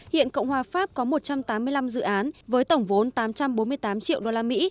hiện cộng hòa pháp có một trăm tám mươi năm dự án với tổng vốn tám trăm bốn mươi tám triệu usd